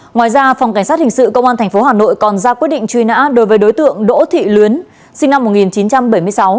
ngoài ra phòng cảnh sát hình sự công an tp hà nội còn ra quyết định truy nã đối với đối tượng đỗ thị luyến sinh năm một nghìn chín trăm bảy mươi sáu